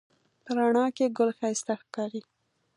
په رڼا کې ګل ښایسته ښکاري